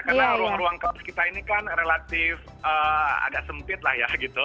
karena ruang ruang kelas kita ini kan relatif agak sempit lah ya gitu